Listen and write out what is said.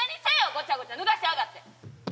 ごちゃごちゃ抜かしやがって！